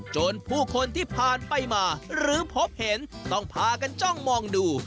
จนผู้คนที่ผ่านไปมาหรือพบเห็นต้องพากันจ้องมองดู